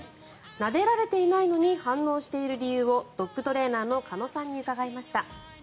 なでられていないのに反応している理由をドッグトレーナーの鹿野さんに伺いました。